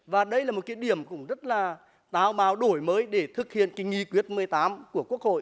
và đây là một cái điểm cũng rất là tạo bào đổi mới để thực hiện cái nghị quyết một mươi tám của quốc hội